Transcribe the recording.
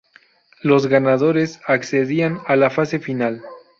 Los ganadores accedían a la "fase final".